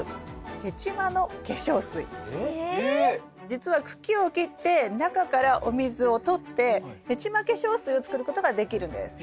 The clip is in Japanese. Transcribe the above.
じつは茎を切って中からお水をとってヘチマ化粧水を作ることができるんです。